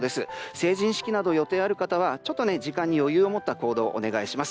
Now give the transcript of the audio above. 成人式など予定がある方はちょっと、時間に余裕を持った行動をお願いします。